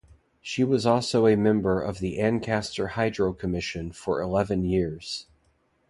She was also a member of the Ancaster Hydro Commission for eleven years.